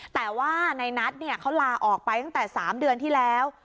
แต่ว่าในนัทเขาลาออกไปตั้งแต่๓เดือนที่แล้ว